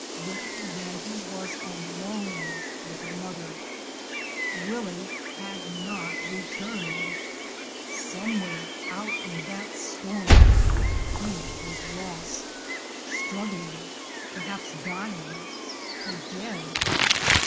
Little Maggie was alone with her mother. Willie had not returned! Somewhere out in that storm he was lost; struggling, perhaps dying or dead!